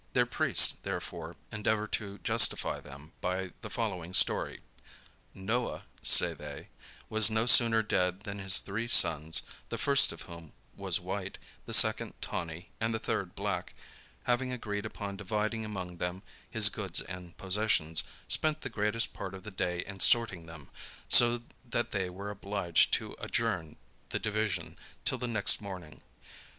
Their priests, therefore, endeavor to justify them, by the following story: "Noah," say they, "was no sooner dead, than his three sons, the first of whom was white, the second tawny, and the third black, having agreed upon dividing among them his goods and possessions, spent the greatest part of the day in sorting them; so that they were obliged to adjourn the division till the next morning.